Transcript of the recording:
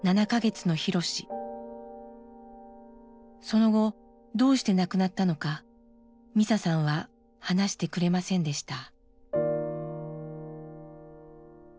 その後どうして亡くなったのかミサさんは話してくれませんでした。